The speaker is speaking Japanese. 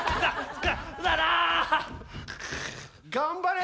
頑張れ！